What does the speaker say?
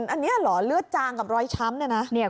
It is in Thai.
อันนี้เหรอเลือดจางกับรอยช้ำเนี่ยนะ